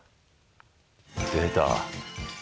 出た。